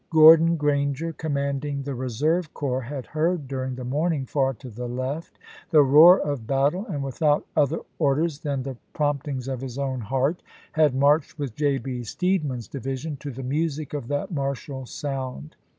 Gordon Granger, commanding the reserve corps, had heard during the morning far to the left the roar of battle, and without other orders than the prompt ings of his own heart, had marched with J. B. Steedman's division to the music of that martial sound.